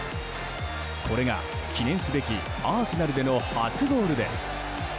これが記念すべきアーセナルでの初ゴールです。